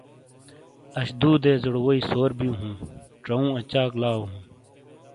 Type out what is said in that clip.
اَش دُو دیزوڑے ووئی سور بِیوں ہُوں۔ چاؤوں اچاک لاؤ ہُوں۔